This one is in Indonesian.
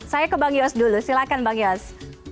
saya ke bang yos dulu silahkan bang yos